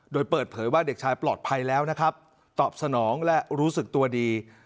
โดยเปิดเผยว่าเด็กชายปลอดภัยแล้วนะครับตอบสนองและรู้สึกตัวดี